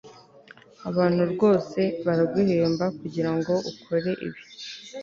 abantu rwose baraguhemba kugirango ukore ibi